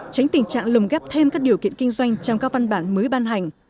tránh tình trạng lồng gáp thêm các điều kiện kinh doanh trong các văn bản mới ban hành